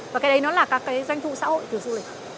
và cái đấy nó là các cái doanh thu xã hội từ du lịch